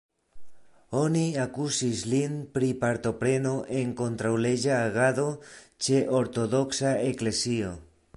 Oni akuzis lin pri partopreno en kontraŭleĝa agado ĉe Ortodoksa Eklezio.